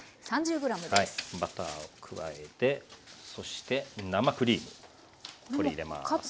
バターを加えてそして生クリームこれ入れます。